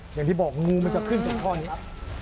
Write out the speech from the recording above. อย่างที่บอกงูมันจะขึ้นจากท่อนี้ครับ